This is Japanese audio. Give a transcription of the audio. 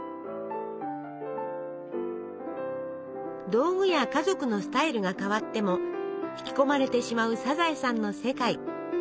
道具や家族のスタイルが変わっても引き込まれてしまう「サザエさん」の世界。